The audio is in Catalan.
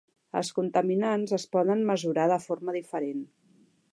Els contaminants es poden mesurar de forma diferent.